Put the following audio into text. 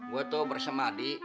gue tuh bersama adi